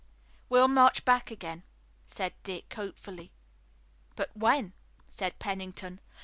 "We'll march back again," said Dick hopefully. "But when?" said Pennington.